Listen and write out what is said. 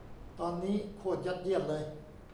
ตอนนี้ โคตรยัดเยียดเลย